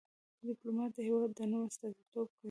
ډيپلومات د هېواد د نوم استازیتوب کوي.